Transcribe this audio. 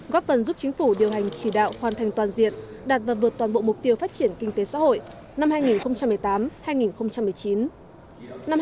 góp phần giúp chính phủ điều hành chỉ đạo hoàn thành toàn diện đạt và vượt toàn bộ mục tiêu phát triển kinh tế xã hội năm hai nghìn một mươi tám hai nghìn một mươi chín